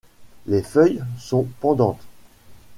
Les feuilles sont pendantes.